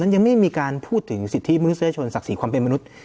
ยังไม่มีการพูดถึงสิทธิมนุษยชนศักดิ์ศรีความเป็นมนุษย์